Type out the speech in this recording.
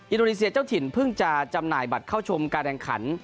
อินโดนีเซียเจ้าถิ่นเพิ่งจะจำหน่ายบัตรเข้าชมการแข่งขัน